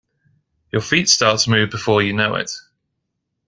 Your feet start to move before you know it.